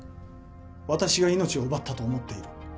私が命を奪ったと思っている。